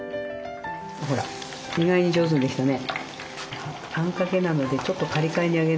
ほら意外に上手にできたね。